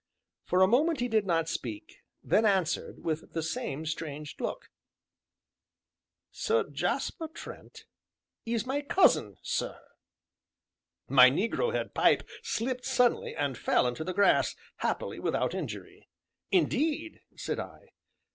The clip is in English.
For a moment he did not speak, then answered, with the same strange look: "Sir Jasper Trent is my cousin, sir." My negro head pipe slipped suddenly, and fell into the grass, happily without injury. "Indeed!" said I.